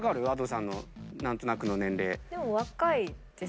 Ａｄｏさんの何となくの年齢。